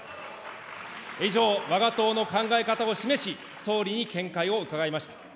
以上、わが党の考え方を示し、総理に見解を伺いました。